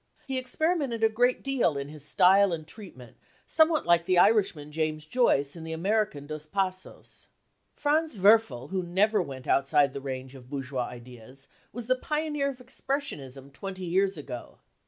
He experimented a great' 1 deal in his style and treatment, somewhat like the Irishman James Joyce and the American Dos Passos. Franz Werfel, who never went outside the range of bourgeois ideas, was the pioneer of expressionism twenty years ago.